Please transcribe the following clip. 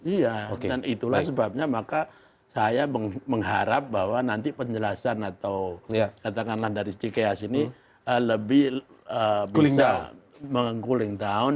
iya dan itulah sebabnya maka saya mengharap bahwa nanti penjelasan atau katakanlah dari sikeas ini lebih bisa meng cooling down